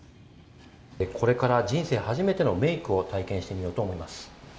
これから人生初めてのメイクを体験してみようと思います。